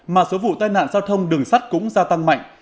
mà số vụ tai nạn giao thông đường sắt cũng gia tăng mạnh